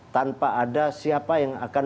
tanpa ada siapa yang akan